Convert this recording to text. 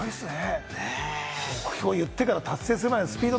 目標を言ってから、達成するまでのスピード。